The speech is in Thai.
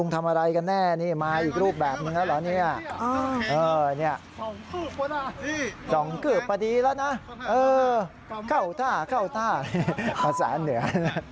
เท่าท่าภาษาเหนือ